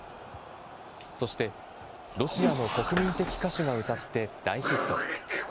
そして、ロシアの国民的歌手が歌って大ヒット。